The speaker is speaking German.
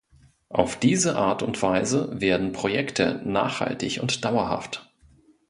Auf diese Art und Weise werden Projekte nachhaltig und dauerhaft.